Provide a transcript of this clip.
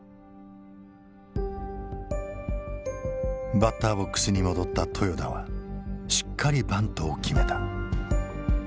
バッターボックスに戻った豊田はしっかりバントを決めた。